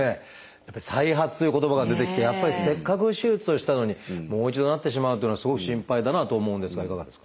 「再発」という言葉が出てきてやっぱりせっかく手術をしたのにもう一度なってしまうというのはすごく心配だなと思うんですがいかがですか？